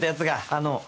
あの。